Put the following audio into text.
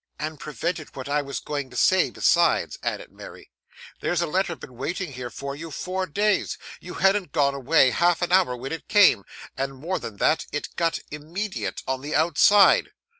'And prevented what I was going to say, besides,' added Mary. 'There's a letter been waiting here for you four days; you hadn't gone away, half an hour, when it came; and more than that, it's got "immediate," on the outside.